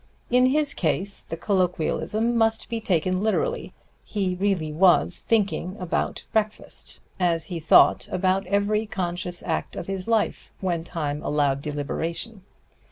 In his case the colloquialism must be taken literally; he really was thinking about breakfast, as he thought about every conscious act of his life when time allowed deliberation.